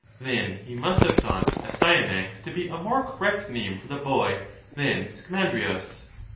Then he must have thought Astyanax to be a more correct name for the boy than Scamandrius?